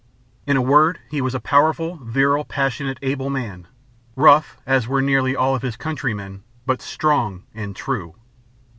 In a word, he was a powerful, virile, passionate, able man, rough, as were nearly all his countrymen, but strong and true.